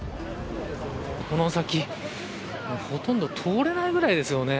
この先ほとんど通れないぐらいですよね。